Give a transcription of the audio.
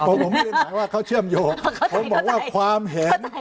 ผมไม่ได้ถามว่าเขาเชื่อมโยงผมบอกว่าความเห็น